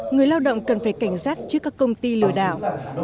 người lao động cần phải cảnh giác trước các công ty lừa đảo